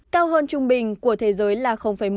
cao hơn trung bình của thế giới là một